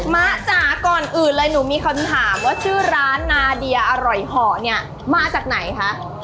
มะจ๋าก่อนอื่นเลยหนูมีคำถามว่าชื่อร้านนาเดียอร่อยห่อเนี่ยมาจากไหนคะ